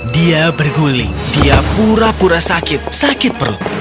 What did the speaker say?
dia berguling dia pura pura sakit sakit perut